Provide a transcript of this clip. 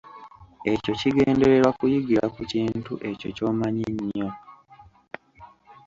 Ekyo kigendererwa kuyigira ku kintu ekyo kyomanyi nnyo.